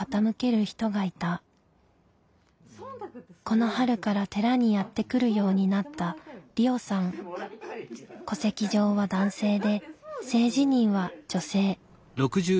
この春から寺にやって来るようになった戸籍上は男性で性自認は女性。